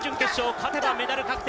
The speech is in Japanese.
勝てばメダル確定。